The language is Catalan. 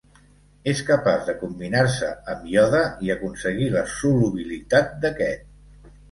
És capaç de combinar-se amb iode i aconseguir la solubilitat d'aquest.